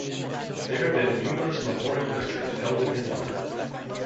There have been numerous memorial lectures held in his honor.